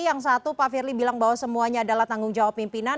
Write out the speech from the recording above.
yang satu pak firly bilang bahwa semuanya adalah tanggung jawab pimpinan